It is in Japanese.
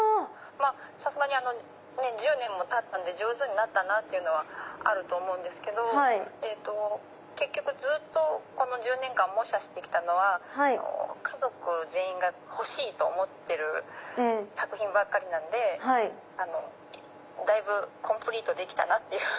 さすがに１０年もたったんで上手になったなっていうのはあると思うんですけど結局ずっとこの１０年間模写して来たのは家族全員が欲しいと思ってる作品ばっかりなのでだいぶコンプリートできたなって。